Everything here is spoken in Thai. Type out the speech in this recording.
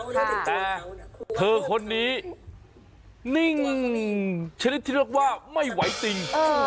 แต่เธอคนนี้นิ่งชนิดที่เรียกว่าไม่ไหวจริง